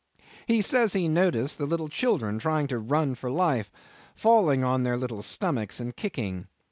He says he noticed the little children trying to run for life, falling on their little stomachs and kicking.